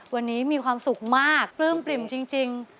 วันนี้มีความสุขมากปลื้มปริ่มจริง